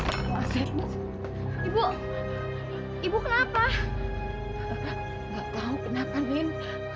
ibu ibu kenapa enggak tahu kenapa men